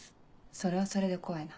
それはそれで怖いな。